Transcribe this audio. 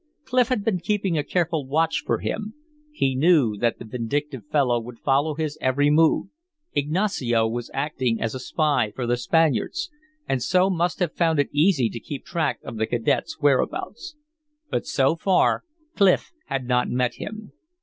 Clif had been keeping a careful watch for him. He knew that the vindictive fellow would follow his every move; Ignacio was acting as a spy for the Spaniards, and so must have found it easy to keep track of the cadet's whereabouts. But so far Clif had not met him.